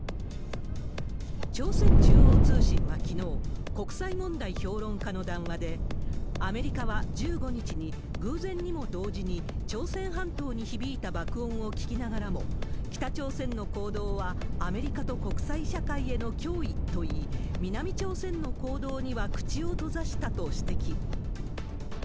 朝鮮中央通信はきのう、国際問題評論家の談話で、アメリカは１５日に偶然にも同時に朝鮮半島に響いた爆音を聞きながらも、北朝鮮の行動はアメリカと国際社会への脅威と言い、南朝鮮の行動には口を閉ざしたと指摘。